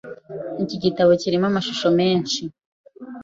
Iki gitabo kirimo amashusho menshi .